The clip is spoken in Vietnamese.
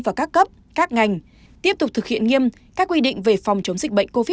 và các cấp các ngành tiếp tục thực hiện nghiêm các quy định về phòng chống dịch bệnh covid một mươi chín